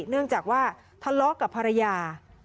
เนื่องจากว่าทะเลาะกับภรรยา